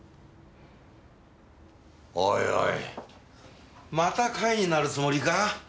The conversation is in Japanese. おいおいまた貝になるつもりか？